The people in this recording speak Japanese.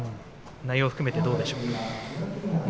内容を含めてどうでしょう。